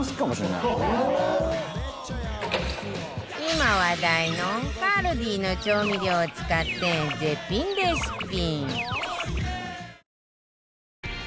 今話題の ＫＡＬＤＩ の調味料を使って絶品レシピ